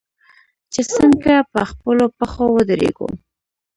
چې څنګه په خپلو پښو ودریږو.